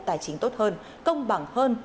tài chính tốt hơn công bằng hơn